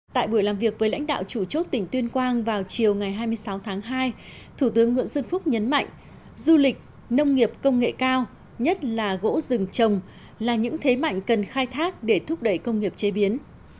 tại buổi làm việc với lãnh đạo chủ chốt tỉnh tuyên quang vào chiều ngày hai mươi sáu tháng hai thủ tướng nguyễn xuân phúc nhấn mạnh du lịch nông nghiệp công nghệ cao nhất là gỗ rừng trồng là những thế mạnh cần khai thác để thúc đẩy công nghiệp chế biến